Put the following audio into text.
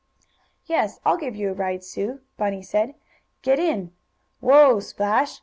"Yes, I'll give you a ride, Sue," Bunny said. "Get in! Whoa, Splash!"